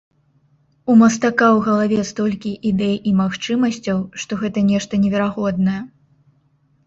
У мастака ў галаве столькі ідэй і магчымасцяў, што гэта нешта неверагоднае.